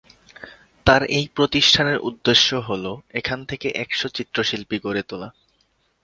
তার এই প্রতিষ্ঠানের উদ্দেশ্য হল এখান থেকে একশ চিত্রশিল্পী গড়ে তোলা।